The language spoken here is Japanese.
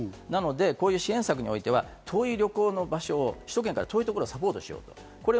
なので支援策においては遠い旅行の場所を首都圏から遠いところをサポートする。